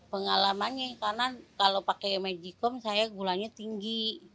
pengalamannya karena kalau pakai magikom saya gulanya tinggi